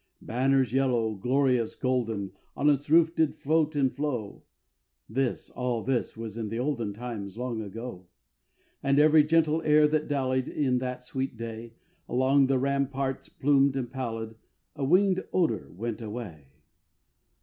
Banners yellow, glorious, golden, On its roof did float and flow, (This all this was in the olden Time long ago), And every gentle air that dallied, In that sweet day, Along the ramparts plumed and pallid, A winged odor went away.